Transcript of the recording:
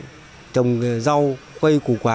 để bón trồng rau quây củ quả